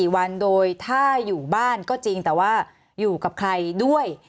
๔วันโดยถ้าอยู่บ้านก็จริงแต่ว่าอยู่กับใครด้วย